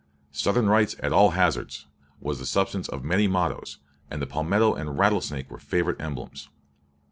"Southern rights at all hazards," was the substance of many mottoes, and the palmetto and the rattlesnake were favorite emblems.